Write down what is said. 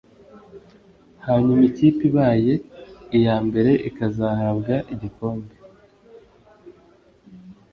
hanyuma ikipe ibaye iya mbere ikazahabwa igikombe